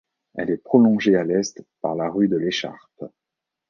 Elle est prolongée à l'est par la rue de l'Écharpe.